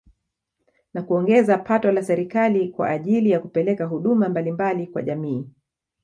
Na kuongeza pato la serikali kwa ajili ya kupeleka huduma mbalimbali kwa jamii